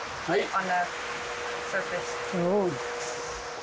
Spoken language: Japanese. はい。